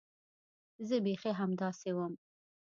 زه بيخي همداسې وم.